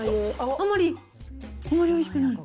あんまりおいしくない？